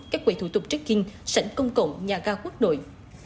các quầy thủ tục check in sảnh công cộng nhà ga quốc đội